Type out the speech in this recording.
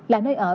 là nơi ở